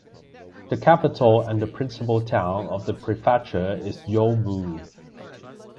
The capital and principal town of the prefecture is Yomou.